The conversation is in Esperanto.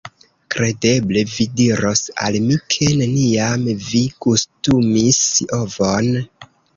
Kredeble vi diros al mi ke neniam vi gustumis ovon?